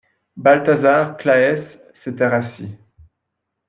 Balthazar Claës s'était rassis.